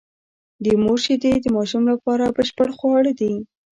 د مور شېدې د ماشوم لپاره بشپړ خواړه دي.